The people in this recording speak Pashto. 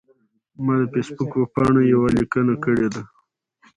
ما د فیسبوک په پاڼه یوه لیکنه کړې ده.